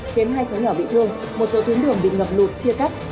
khiến hai cháu nhỏ bị thương một số tuyến đường bị ngập lụt chia cắt